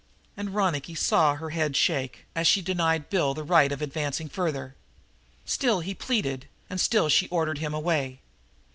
And Ronicky saw her head shake, as she denied Bill the right of advancing farther. Still he pleaded, and still she ordered him away.